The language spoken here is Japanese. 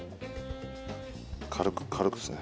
軽く軽くですね。